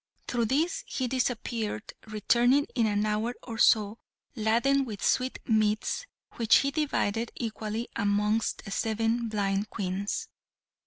Through this he disappeared, returning in an hour or so laden with sweetmeats, which he divided equally amongst the seven blind Queens.